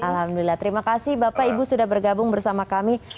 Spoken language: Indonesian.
alhamdulillah terima kasih bapak ibu sudah bergabung bersama kami